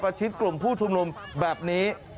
ชิดกลุ่มผู้ชุมนุมแบบนี้